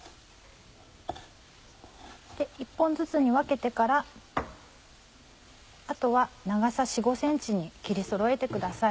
１本ずつに分けてからあとは長さ４５ｃｍに切りそろえてください。